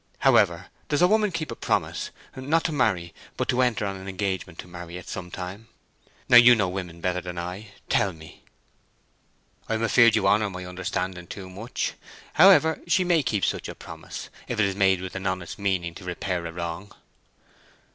However, does a woman keep a promise, not to marry, but to enter on an engagement to marry at some time? Now you know women better than I—tell me." "I am afeard you honour my understanding too much. However, she may keep such a promise, if it is made with an honest meaning to repair a wrong."